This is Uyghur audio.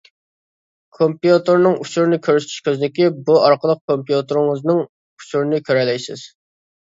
كومپيۇتېرنىڭ ئۇچۇرىنى كۆرسىتىش كۆزنىكى، بۇ ئارقىلىق كومپيۇتېرىڭىزنىڭ ئۇچۇرىنى كۆرەلەيسىز.